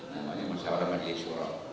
namanya musyawarah majlis surab